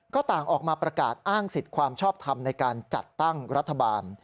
ก็ต่างออกมาประกาศอ้างสิทธิ์ความชอบทำในการจัดตั้งรัฐบาล